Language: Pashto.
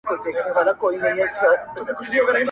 ساقي به وي، خُم به خالي وي، میخواران به نه وي؛